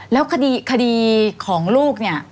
แล้วคดีของลูกเนี่ย